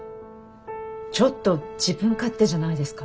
ちょっと自分勝手じゃないですか？